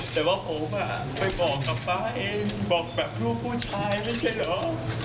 แต่ว่าผมไปบอกกับฟ้าเองบอกแบบลูกผู้ชายไม่ใช่เหรอ